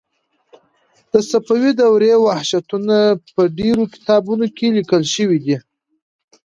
د صفوي دورې وحشتونه په ډېرو کتابونو کې لیکل شوي دي.